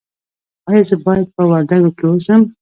ایا زه باید په وردګو کې اوسم؟